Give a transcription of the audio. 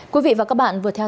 quý vị và các bạn vừa trước